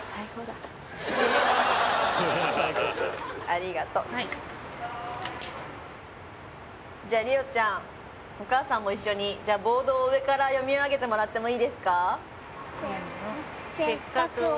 ありがとうはいじゃあ凛音ちゃんお母さんも一緒にじゃあボードを上から読み上げてもらってもいいですかせの